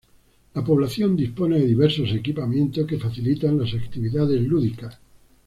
La población dispone de diversos equipamientos que facilitan las actividades lúdicas.